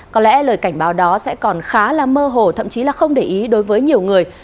có lẽ lời cảnh báo đó sẽ còn khá là mơ hồ thậm chí là không để ý đối với nhiều người